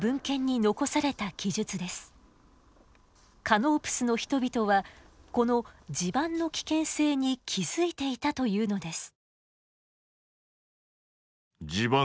カノープスの人々はこの地盤の危険性に気付いていたというのです。